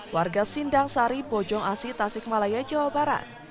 warga sindang sari bojong asi tasikmalaya jawa barat